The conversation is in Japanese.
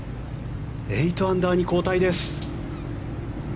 ８アンダーに後退です。